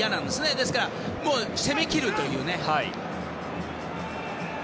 ですから、攻め切るというね。